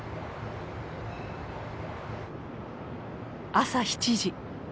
朝７時。